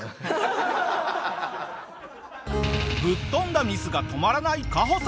ぶっ飛んだミスが止まらないカホさん。